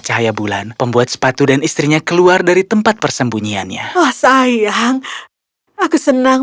cahaya bulan pembuat sepatu dan istrinya keluar dari tempat persembunyiannya wah sayang aku senang